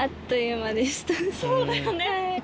そうだよね。